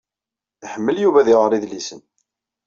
Iḥemmel Yuba ad iɣeṛ idlisen.